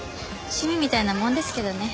趣味みたいなもんですけどね。